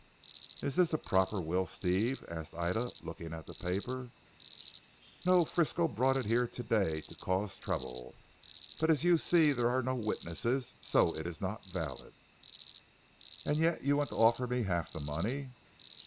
"Is this a proper will, Steve?" asked Ida looking at the paper. "No. Frisco brought it here to day to cause trouble. But as you see there are no witnesses, so it is not valid." "And yet you want to offer me half the money."